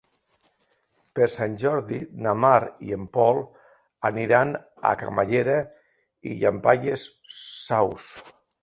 Per Sant Jordi na Mar i en Pol aniran a Camallera i Llampaies Saus.